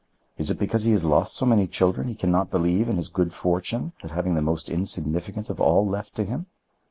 Is it because he has lost so many children he can not believe in his good fortune at having the most insignificant of all left to him?"